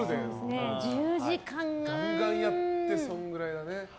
ガンガンやってそれくらいだね。